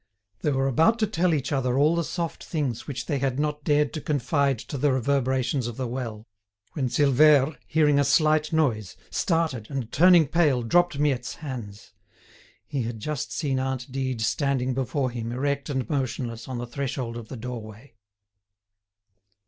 They were about to tell each other all the soft things which they had not dared to confide to the reverberations of the well, when Silvère, hearing a slight noise, started, and, turning pale, dropped Miette's hands. He had just seen aunt Dide standing before him erect and motionless on the threshold of the doorway.